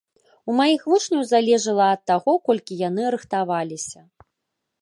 У маіх вучняў залежала ад таго, колькі яны рыхтаваліся.